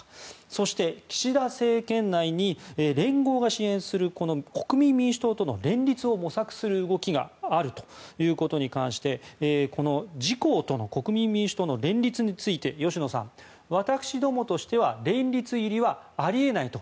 そして、岸田政権内に連合の支援する国民民主党との連立を模索する動きがあることに関して自公との国民民主党の連立について芳野さんは私どもとしては連立入りはあり得ないと。